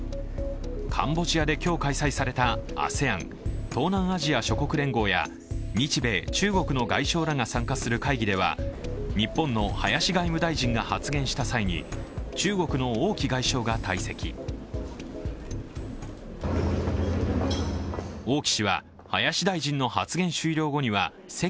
カンボジアで今日開催されたＡＳＥＡＮ＝東南アジア諸国連合や日米、中国の外相らが参加する会議では日本の林外務大臣が発言した際に中国の王毅外相が退席。